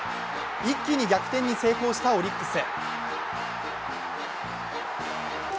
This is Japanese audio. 一気に逆転に成功したオリックス。